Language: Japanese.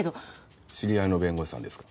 知り合いの弁護士さんですか？